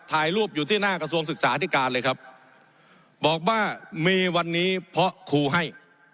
ถ่ายรูปอยู่ที่หน้ากระทรวงศึกษาธิการเลยครับบอกว่ามีวันนี้เพราะครูให้